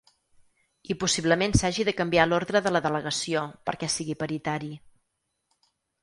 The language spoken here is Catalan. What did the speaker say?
I possiblement s’hagi de canviar l’ordre de la delegació perquè sigui paritari.